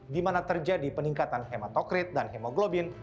di mana terjadi peningkatan hematokrit dan hemoglobin